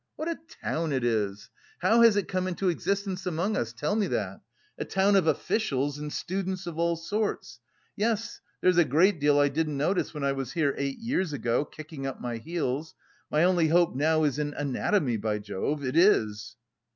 What a town it is! How has it come into existence among us, tell me that? A town of officials and students of all sorts. Yes, there's a great deal I didn't notice when I was here eight years ago, kicking up my heels.... My only hope now is in anatomy, by Jove, it is!"